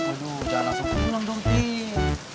aduh jangan langsung pulang dong tim